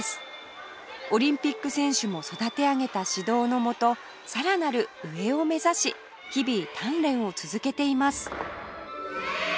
オリンピック選手も育て上げた指導の下さらなる上を目指し日々鍛錬を続けています